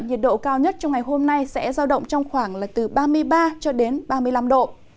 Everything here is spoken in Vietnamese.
nhiệt độ cao nhất trong ngày hôm nay sẽ giao động trong khoảng là từ ba mươi ba cho đến ba mươi năm độ